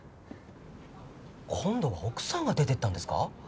今度は奥さんが出てったんですか？